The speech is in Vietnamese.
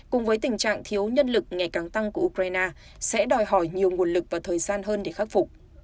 cùng với tình trạng thiếu nhân lực ngày càng tăng của ukraine sẽ đòi hỏi nhiều nguồn lực và thời gian hơn để khắc phục